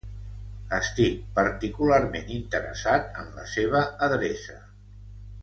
Estic particularment interessat en la seva adreça.